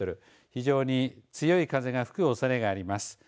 非常に強い風が吹くおそれがあります。